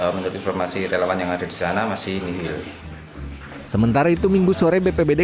menurut informasi relawan yang ada di sana masih nihil sementara itu minggu sore bpbd